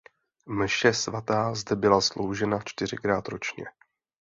Mše svatá zde byla sloužena čtyřikrát ročně.